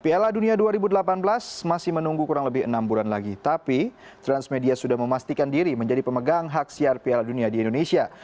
piala dunia dua ribu delapan belas masih menunggu kurang lebih enam bulan lagi tapi transmedia sudah memastikan diri menjadi pemegang hak siar piala dunia di indonesia